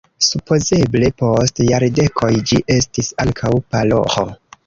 Supozeble post jardekoj ĝi estis ankaŭ paroĥo.